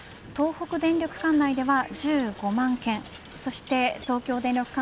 東北電力管内では１５万軒そして東京電力